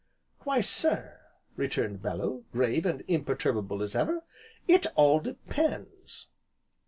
"Why sir," returned Bellew, grave, and imperturbable as ever, "it all depends."